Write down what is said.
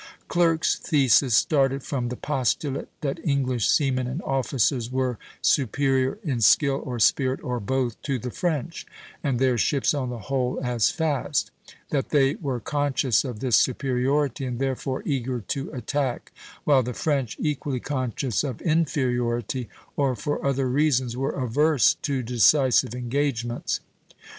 Clerk's thesis started from the postulate that English seamen and officers were superior in skill or spirit, or both, to the French, and their ships on the whole as fast; that they were conscious of this superiority and therefore eager to attack, while the French, equally conscious of inferiority, or for other reasons, were averse to decisive engagements.